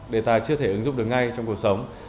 đề tài chưa thể ứng dụng được ngay trong cuộc sống